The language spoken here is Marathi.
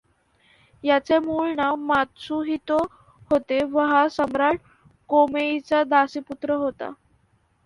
याचे मूळ नाव मात्सुहितो होते व हा सम्राट कोमेइचा दासीपुत्र होता.